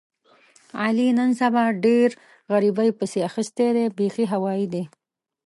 علي نن سبا ډېر غریبۍ پسې اخیستی دی بیخي هوایي دی.